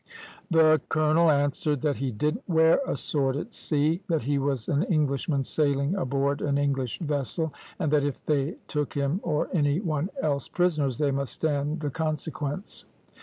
The colonel answered that he didn't wear a sword at sea, that he was an Englishman sailing aboard an English vessel, and that if they took him or any one else prisoners they must stand the consequence.